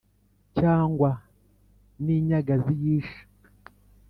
cyangwa n’inyagazi y’isha,